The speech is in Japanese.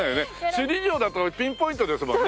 首里城だとピンポイントですもんね。